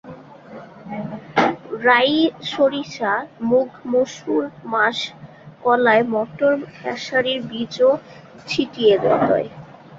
রাই সরিষা মুগ মসুর মাস কলায় মটর খেসারীর বীজও ছিটিয়ে রদয়।